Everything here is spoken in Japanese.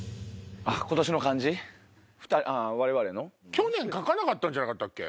去年書かなかったんじゃなかったっけ？